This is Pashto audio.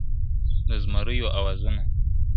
دزمريو آوازونه ..